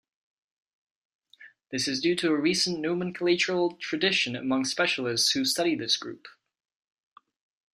This is due to a recent nomenclatural tradition among specialists who study this group.